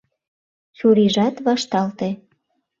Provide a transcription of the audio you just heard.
Чурийжат вашталте.